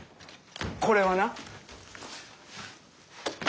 これはな。